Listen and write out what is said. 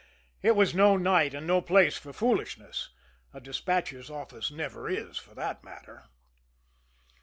It was no night or no place for foolishness a despatcher's office never is, for that matter.